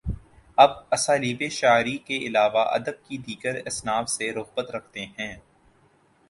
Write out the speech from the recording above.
آپ اسالیبِ شعری کے علاوہ ادب کی دیگر اصناف سے رغبت رکھتے ہیں